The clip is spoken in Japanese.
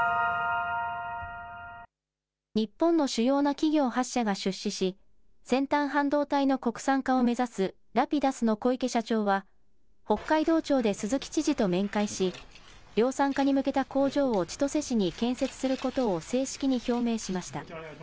日本の主要な企業８社が出資し先端半導体の国産化を目指すＲａｐｉｄｕｓの小池社長は北海道庁で鈴木知事と面会し量産化に向けた工場を千歳市に建設することを正式に表明しました。